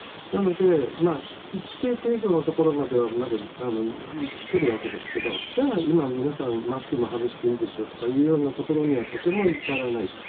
なので、一定程度のところまでは来ているわけですけどじゃ、今、皆さんマスクも外していいですよというところにはとても至らない。